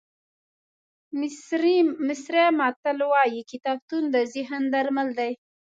مصري متل وایي کتابتون د ذهن درمل دی.